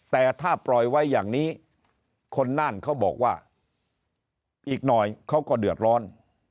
แต่ถ้าปล่อยไว้อย่างนี้คนน่านเขาบอกว่าอีกหน่อยเขาก็เดือดร้อน